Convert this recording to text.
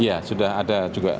ya sudah ada juga